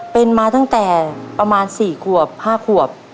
เป็นมาตั้งแต่ประมาณ๔ขวบ๕ขวบ